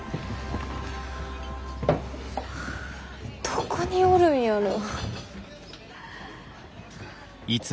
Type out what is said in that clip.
どこにおるんやろ。